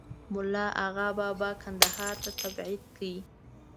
مُلا آغابابا کندهار ته تبعید کړ.